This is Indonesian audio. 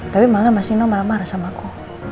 tapi malah mas inno marah marah sama aku